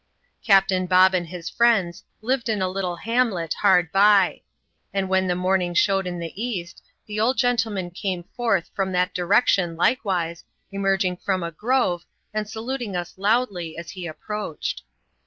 Captain Bob and his friends lived in a little hamlet hard bj; and when morning showed in the East, the old gentleman came forth from that direction likewise, emerging from a grove, and saluting us loudly as he approached.